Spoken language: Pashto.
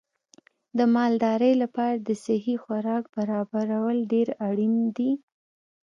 د مالدارۍ لپاره د صحي خوراک برابرول ډېر اړین دي.